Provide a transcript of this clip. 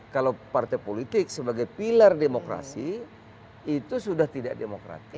kalau partai politik sebagai pilar demokrasi itu sudah tidak demokratis